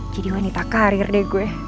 jadi wanita karir deh gue